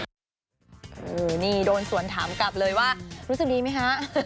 โอ้นี่โดนสวนถามกลับเลยว่ารู้สึกดีมั้ยฮะ